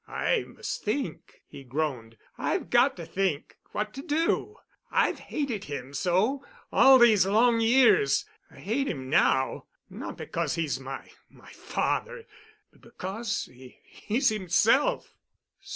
"I must think," he groaned, "I've got to think—what to do. I've hated him so—all these long years. I hate him now—not because he's my—my father—but because—he's himself."